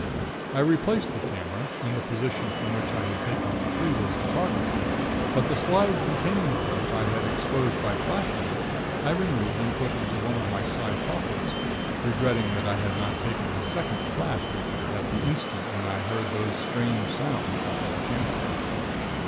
"I replaced the camera in the position from which I had taken the previous photography; but the slide containing the plate I had exposed by flashlight I removed and put into one of my side pockets, regretting that I had not taken a second flash picture at the instant when I heard those strange sounds up in the chancel.